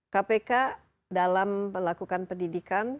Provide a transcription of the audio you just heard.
kpk dalam melakukan pendidikan